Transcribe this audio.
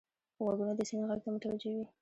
غوږونه د سیند غږ ته متوجه وي